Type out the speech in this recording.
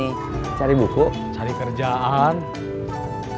itu bumbu kicim pring